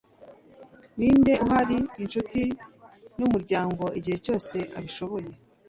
ninde uhari inshuti numuryango igihe cyose abishoboye